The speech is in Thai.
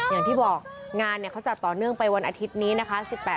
อย่างที่บอกงานเขาจัดต่อเนื่องไปวันอาทิตย์นี้นะคะ